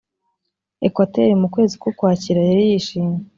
Ekwateri mu kwezi k Ukwakira Yari yishimye